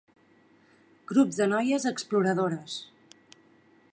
Grups de Noies Exploradores.